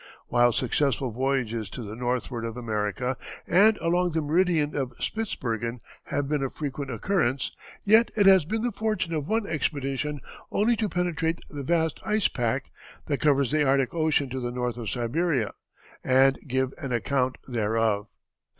While successful voyages to the northward of America, and along the meridian of Spitzbergen, have been of frequent occurrence, yet it has been the fortune of one expedition only to penetrate the vast ice pack that covers the Arctic Ocean to the north of Siberia, and give an account thereof.